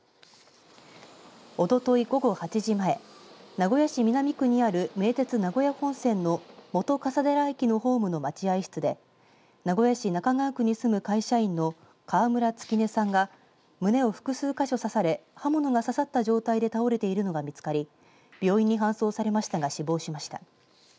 おととい午後８時前名古屋市南区にある名鉄名古屋本線の本笠寺駅のホームの待合室で名古屋市中川区に住む会社員の川村月音さんが胸を複数箇所刺され刃物が刺さった状態で倒れているのが見つかり病院に搬送されましたが死亡しました。